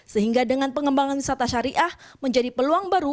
sehingga dengan pengembangan wisata syariah menjadi peluang baru